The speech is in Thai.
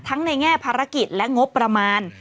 ในแง่ภารกิจและงบประมาณ